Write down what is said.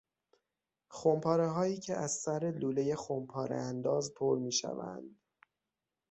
خمپارههایی که از سر لولهی خمپاره انداز پر میشوند